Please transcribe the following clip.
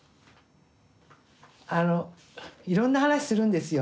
あのいろんな話するんですよ。